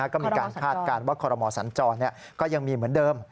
ก็มีการคาดการณ์ว่าคอรมอสัญจรก็ยังมีเหมือนเดิม